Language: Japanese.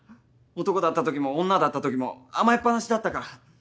男だったときも女だったときも甘えっ放しだったから。